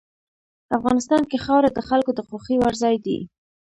افغانستان کې خاوره د خلکو د خوښې وړ ځای دی.